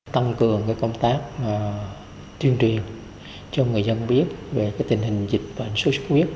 tăng cường công tác chuyên truyền cho người dân biết về tình hình dịch bệnh xuất xuất huyết